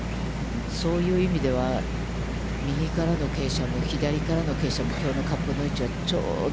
そういう意味では、右からの傾斜も、左からの傾斜も、きょうのカップの位置はちょうど、